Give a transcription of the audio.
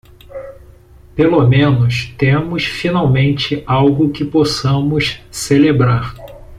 Pelo menos temos finalmente algo que podemos celebrar.